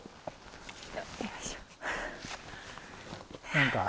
何か。